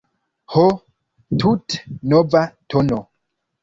Ho, tute nova tono!